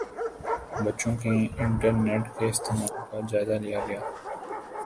بچوں کے انٹرنیٹ کے استعمال کا جائزہ لیا گیا